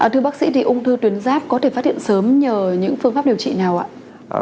thưa bác sĩ thì ung thư tuyến giáp có thể phát hiện sớm nhờ những phương pháp điều trị nào ạ